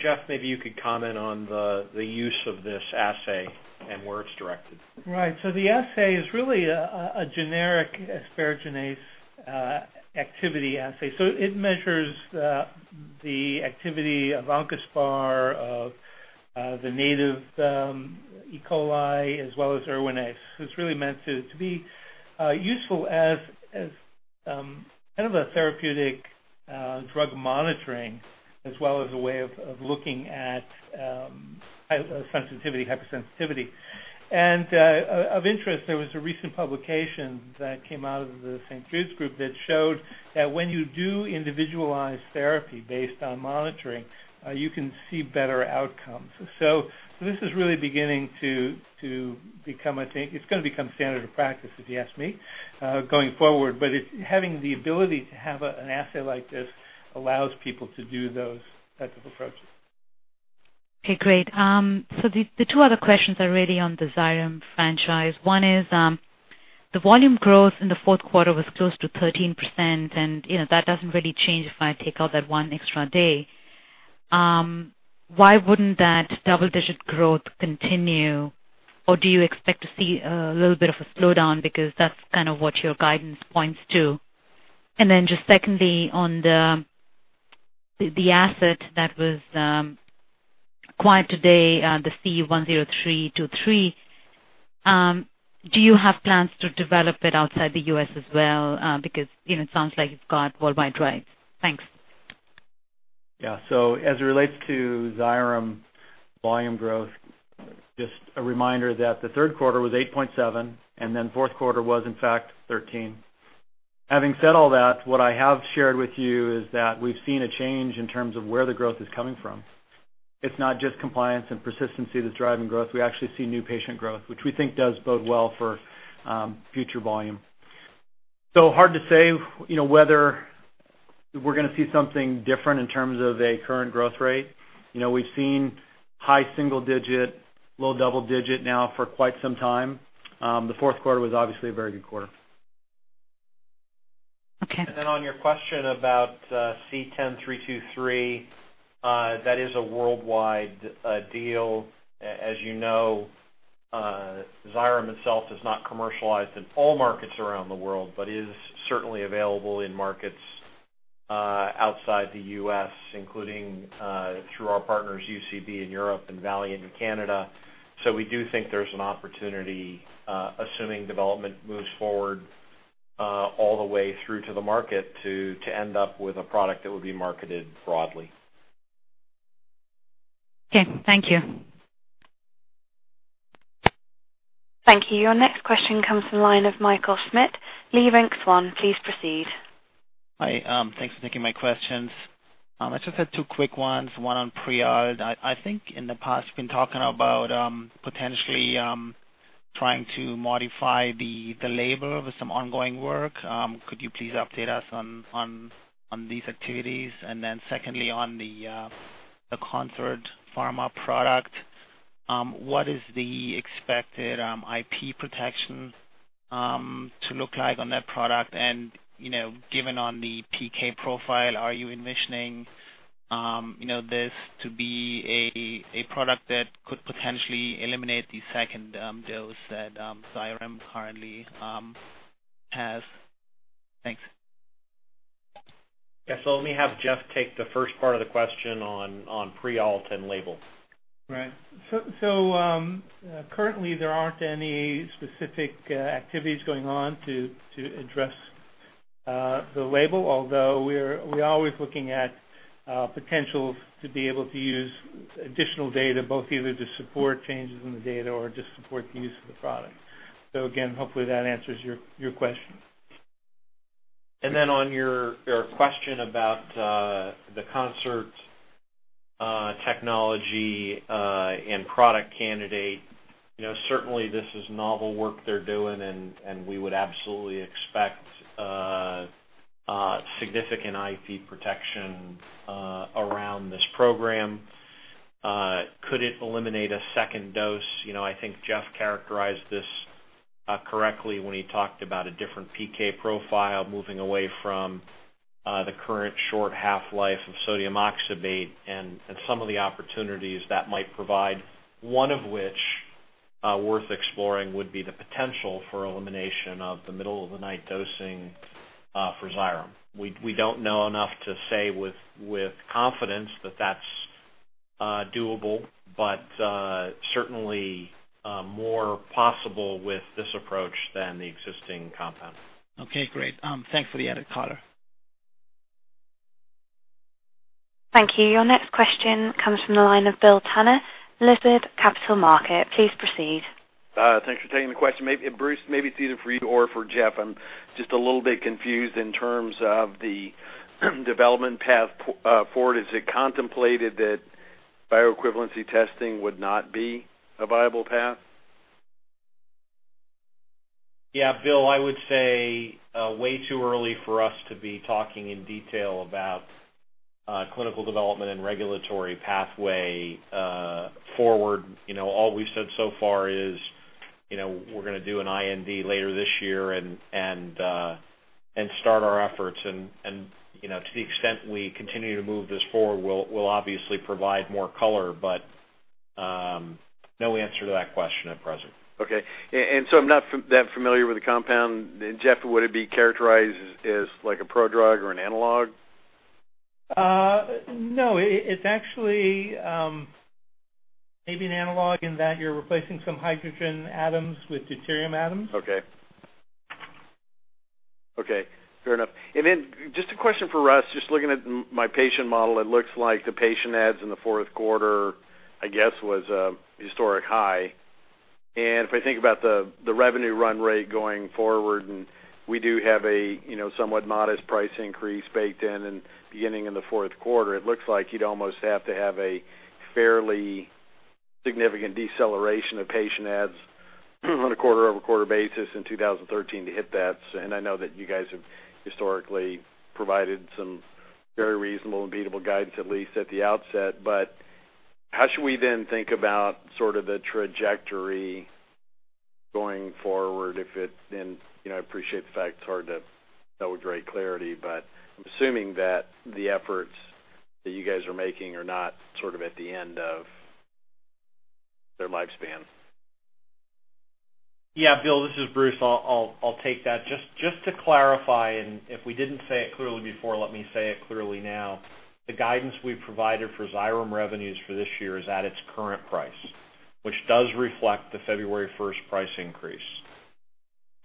Jeff, maybe you could comment on the use of this assay and where it's directed. Right. The assay is really a generic asparaginase activity assay. It measures the activity of Oncaspar, of the native E. coli, as well as Erwinaze. It's really meant to be useful as kind of a therapeutic drug monitoring as well as a way of looking at sensitivity, hypersensitivity. Of interest, there was a recent publication that came out of the St. Jude's group that showed that when you do individualized therapy based on monitoring, you can see better outcomes. This is really beginning to become, I think it's gonna become standard practice, if you ask me, going forward. It's having the ability to have an assay like this allows people to do those types of approaches. Okay, great. The two other questions are really on the Xyrem franchise. One is, the volume growth in the fourth quarter was close to 13%, and, you know, that doesn't really change if I take out that one extra day. Why wouldn't that double-digit growth continue, or do you expect to see a little bit of a slowdown? Because that's kind of what your guidance points to. Just secondly, on the asset that was acquired today, the C-10323, do you have plans to develop it outside the U.S. as well? Because, you know, it sounds like it's got worldwide rights. Thanks. Yeah. As it relates to Xyrem volume growth, just a reminder that the third quarter was 8.7%, and then fourth quarter was in fact 13%. Having said all that, what I have shared with you is that we've seen a change in terms of where the growth is coming from. It's not just compliance and persistency that's driving growth. We actually see new patient growth, which we think does bode well for future volume. Hard to say, you know, whether we're gonna see something different in terms of a current growth rate. You know, we've seen high single digit, low double digit now for quite some time. The fourth quarter was obviously a very good quarter. Okay. On your question about C-10323, that is a worldwide deal. As you know, Xyrem itself is not commercialized in all markets around the world, but is certainly available in markets outside the U.S., including through our partners, UCB in Europe and Valeant in Canada. We do think there's an opportunity, assuming development moves forward, all the way through to the market to end up with a product that will be marketed broadly. Okay. Thank you. Thank you. Your next question comes from the line of Michael Schmidt, Leerink Swann. Please proceed. Hi. Thanks for taking my questions. I just had two quick ones, one on Prialt. I think in the past you've been talking about potentially trying to modify the label with some ongoing work. Could you please update us on these activities? Secondly, on the Concert Pharmaceuticals product, what is the expected IP protection to look like on that product? You know, given the PK profile, are you envisioning this to be a product that could potentially eliminate the second dose that Xyrem currently has? Thanks. Yeah. Let me have Jeff take the first part of the question on Prialt 10 label. Right. Currently there aren't any specific activities going on to address the label. Although we're always looking at potential to be able to use additional data, both either to support changes in the data or to support the use of the product. Again, hopefully that answers your question. On your question about the Concert technology and product candidate, you know, certainly this is novel work they're doing, and we would absolutely expect significant IP protection around this program. Could it eliminate a second dose? You know, I think Jeff characterized this correctly when he talked about a different PK profile moving away from the current short half-life of sodium oxybate and some of the opportunities that might provide. One of which worth exploring would be the potential for elimination of the middle of the night dosing for Xyrem. We don't know enough to say with confidence that that's doable, but certainly more possible with this approach than the existing compound. Okay, great. Thanks for the added color. Thank you. Your next question comes from the line of Bill Tanner, Lazard Capital Markets. Please proceed. Thanks for taking the question. Hey, Bruce, maybe it's either for you or for Jeff. I'm just a little bit confused in terms of the development path forward. Is it contemplated that bioequivalence testing would not be a viable path? Yeah, Bill, I would say way too early for us to be talking in detail about clinical development and regulatory pathway forward. You know, all we've said so far is, you know, we're gonna do an IND later this year and start our efforts. You know, to the extent we continue to move this forward, we'll obviously provide more color. No answer to that question at present. I'm not that familiar with the compound. Jeff, would it be characterized as like a prodrug or an analog? No, it's actually maybe an analog in that you're replacing some hydrogen atoms with deuterium atoms. Okay. Fair enough. Then just a question for Russ. Just looking at my patient model, it looks like the patient adds in the fourth quarter, I guess, was a historic high. If I think about the revenue run rate going forward, and we do have a, you know, somewhat modest price increase baked in and beginning in the fourth quarter, it looks like you'd almost have to have a fairly significant deceleration of patient adds on a quarter-over-quarter basis in 2013 to hit that. I know that you guys have historically provided some very reasonable and beatable guidance, at least at the outset. How should we then think about sort of the trajectory going forward if it then, you know, I appreciate the fact it's hard to know with great clarity, but I'm assuming that the efforts that you guys are making are not sort of at the end of their lifespan. Yeah. Bill, this is Bruce. I'll take that. Just to clarify, if we didn't say it clearly before, let me say it clearly now. The guidance we've provided for Xyrem revenues for this year is at its current price, which does reflect the February 1st price increase.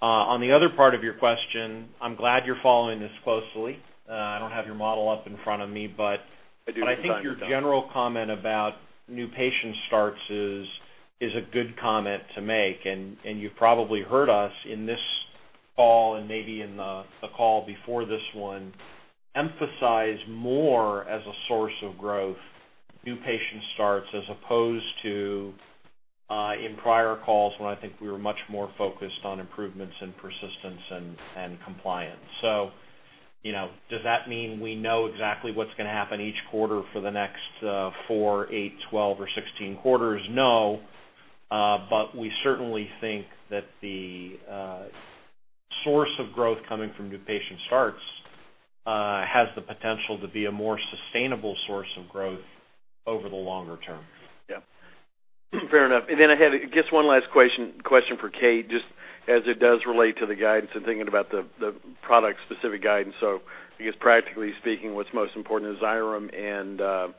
On the other part of your question, I'm glad you're following this closely. I don't have your model up in front of me, but. I do from time to time. I think your general comment about new patient starts is a good comment to make. You've probably heard us in this call and maybe in the call before this one emphasize more as a source of growth, new patient starts as opposed to in prior calls when I think we were much more focused on improvements in persistence and compliance. You know, does that mean we know exactly what's gonna happen each quarter for the next four, eight, 12 or 16 quarters? No. We certainly think that the source of growth coming from new patient starts has the potential to be a more sustainable source of growth over the longer term. Yeah. Fair enough. I had just one last question for Kate, just as it does relate to the guidance and thinking about the product-specific guidance. I guess practically speaking, what's most important is Xyrem and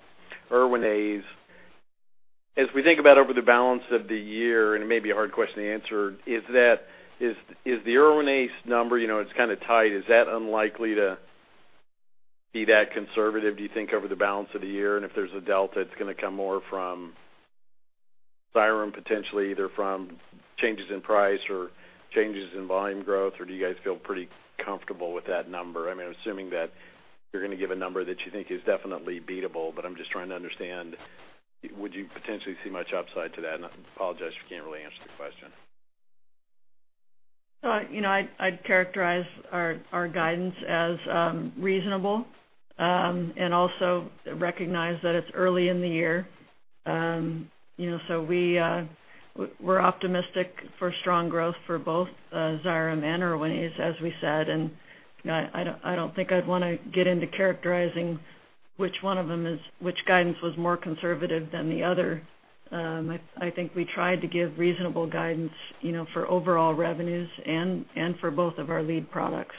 Erwinaze. As we think about over the balance of the year, and it may be a hard question to answer, is the Erwinaze number, you know, it's kinda tight, is that unlikely to be that conservative, do you think, over the balance of the year? If there's a delta, it's gonna come more from Xyrem, potentially either from changes in price or changes in volume growth, or do you guys feel pretty comfortable with that number? I mean, I'm assuming that you're gonna give a number that you think is definitely beatable, but I'm just trying to understand, would you potentially see much upside to that? I apologize if you can't really answer the question. You know, I'd characterize our guidance as reasonable, and also recognize that it's early in the year. You know, we're optimistic for strong growth for both Xyrem and Erwinaze, as we said. I don't think I'd wanna get into characterizing which one of them is which guidance was more conservative than the other. I think we tried to give reasonable guidance, you know, for overall revenues and for both of our lead products.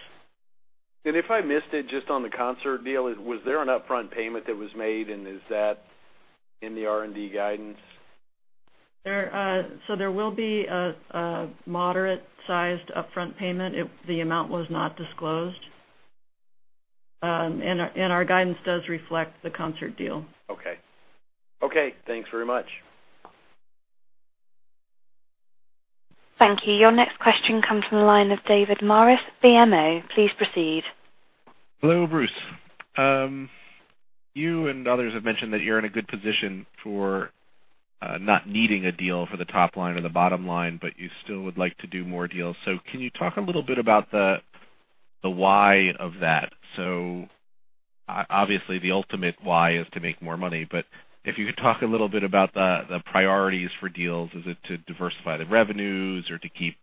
If I missed it, just on the Concert deal, was there an upfront payment that was made and is that in the R&D guidance? There will be a moderate-sized upfront payment. The amount was not disclosed. Our guidance does reflect the Concert deal. Okay, thanks very much. Thank you. Your next question comes from the line of David Morris, BMO. Please proceed. Hello, Bruce. You and others have mentioned that you're in a good position for not needing a deal for the top line or the bottom line, but you still would like to do more deals. Can you talk a little bit about the why of that? Obviously, the ultimate why is to make more money, but if you could talk a little bit about the priorities for deals, is it to diversify the revenues or to keep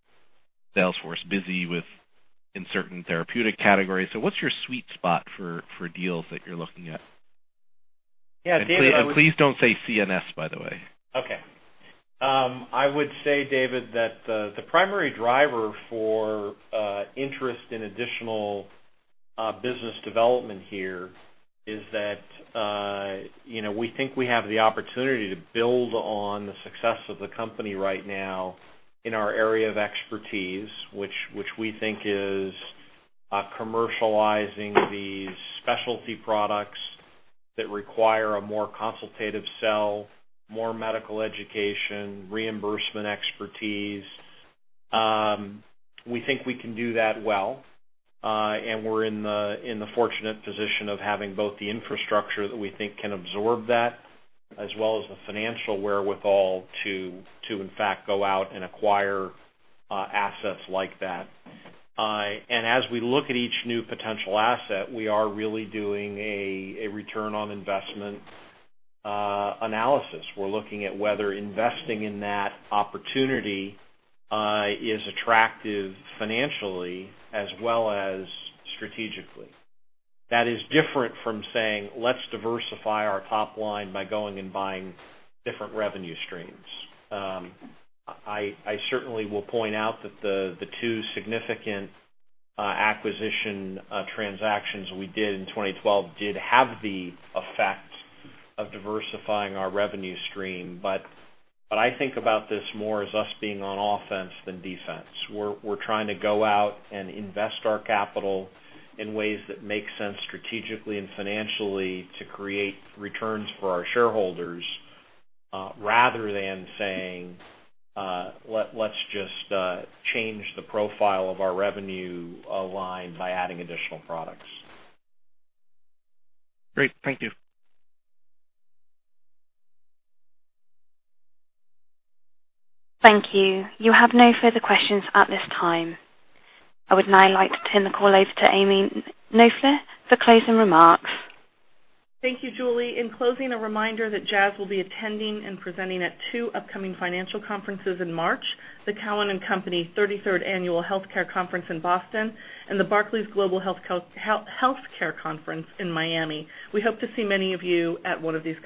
sales force busy within certain therapeutic categories? What's your sweet spot for deals that you're looking at? Yeah, David. Please don't say CNS, by the way. Okay. I would say, David, that the primary driver for interest in additional business development here is that, you know, we think we have the opportunity to build on the success of the company right now in our area of expertise, which we think is commercializing these specialty products that require a more consultative sell, more medical education, reimbursement expertise. We think we can do that well, and we're in the fortunate position of having both the infrastructure that we think can absorb that, as well as the financial wherewithal to, in fact, go out and acquire assets like that. As we look at each new potential asset, we are really doing a return on investment analysis. We're looking at whether investing in that opportunity is attractive financially as well as strategically. That is different from saying, "Let's diversify our top line by going and buying different revenue streams." I certainly will point out that the two significant acquisition transactions we did in 2012 did have the effect of diversifying our revenue stream. I think about this more as us being on offense than defense. We're trying to go out and invest our capital in ways that make sense strategically and financially to create returns for our shareholders, rather than saying, "Let's just change the profile of our revenue line by adding additional products. Great. Thank you. Thank you. You have no further questions at this time. I would now like to turn the call over to Ami Knoefler for closing remarks. Thank you, Julie. In closing, a reminder that Jazz will be attending and presenting at two upcoming financial conferences in March, the Cowen and Company 33rd Annual Health Care Conference in Boston and the Barclays Global Healthcare Conference in Miami. We hope to see many of you at one of these events.